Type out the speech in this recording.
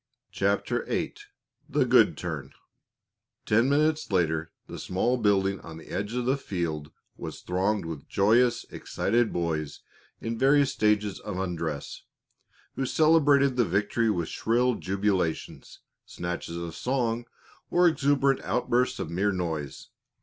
CHAPTER VIII THE GOOD TURN Ten minutes later the small building on the edge of the field was thronged with joyous, excited boys in various stages of undress, who celebrated the victory with shrill jubilations, snatches of song, or exuberant outbursts of mere noise.